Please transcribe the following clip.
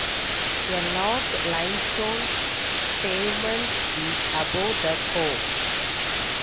A large limestone pavement is above the cove.